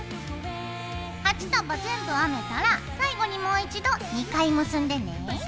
８束全部編めたら最後にもう一度２回結んでね。